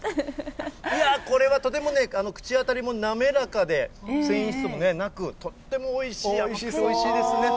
これはとてもね、口当たりも滑らかで、繊維質もなく、とってもおいしい、甘くておいしいですね。